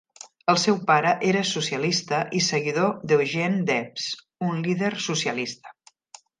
El seu pare era socialista i seguidor d"Eugene Debs, un líder socialista.